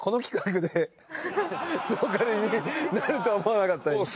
ボーカルになるとは思わなかったですけど。